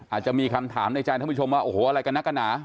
อาจจะมีคำถามในใจท่านผู้ชมว่าโอ้โหอะไรกันนักกันหนา